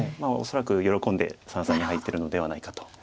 恐らく喜んで三々に入ってるのではないかと。